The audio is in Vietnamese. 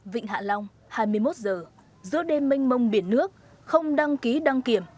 vịnh hạ long hai mươi một giờ giữa đêm mênh mông biển nước không đăng ký đăng kiểm